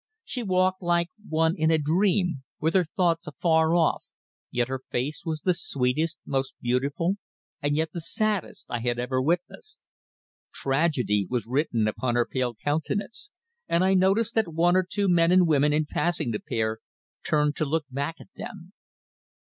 She walked like one in a dream, with her thoughts afar off, yet her face was the sweetest, most beautiful, and yet the saddest I had ever witnessed. Tragedy was written upon her pale countenance, and I noticed that one or two men and women in passing the pair turned to look back at them.